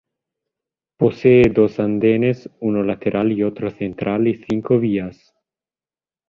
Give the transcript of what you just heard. Posee dos andenes, uno lateral y otro central y cinco vías.